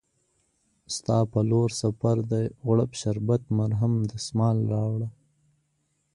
ستا په لورسفردي، غوړپ شربت، مرهم، دسمال راوړه